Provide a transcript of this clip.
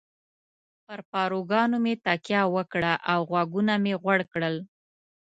پر پاروګانو مې تکیه وکړه او غوږونه مې غوړ کړل.